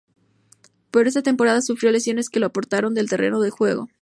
Pero esta temporada sufrió lesiones que lo apartaron del terreno de juego.